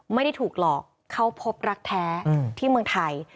ไม่ได้ถูกหลอกเขาพบรักแท้ที่เมืองไทย